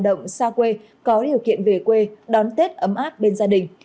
động xa quê có điều kiện về quê đón tết ấm át bên gia đình